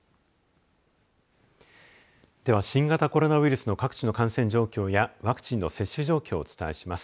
では新型コロナウイルスの各地の感染状況やワクチンの接種状況をお伝えします。